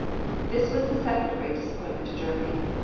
This was the second great disappointment to Germany.